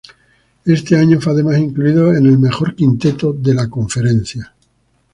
Ese año fue además incluido en el mejor quinteto de la conferencia.